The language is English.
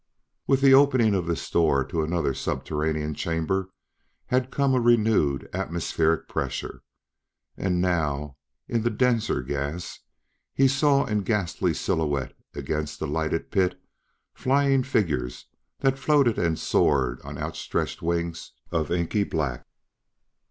With the opening of this door to another subterranean chamber had come a renewed atmospheric pressure. And now, in the denser gas, he saw, in ghastly silhouette against the lighted pit, flying figures that floated and soared on outstretched wings of inky black.